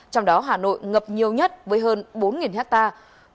trong đó hà nội ngập nhiều nhất với hơn bốn hectare